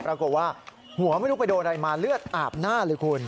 ปรากฏว่าหัวไม่รู้ไปโดนอะไรมาเลือดอาบหน้าเลยคุณ